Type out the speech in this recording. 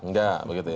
enggak begitu ya